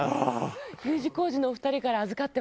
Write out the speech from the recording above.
Ｕ字工事のお二人から預かってます